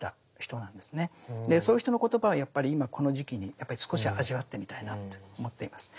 そういう人の言葉はやっぱり今この時期にやっぱり少し味わってみたいなって思っています。